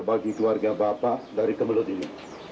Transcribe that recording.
bagi keluarga bapak dari kemelut ini